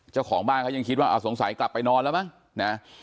เจ้าของบ้านเขายังคิดว่าสงสัยกลับไปนอนแล้วมั้งนะ